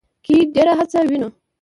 کې ډېره هڅه وينو